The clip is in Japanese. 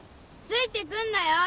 ついてくんなよ。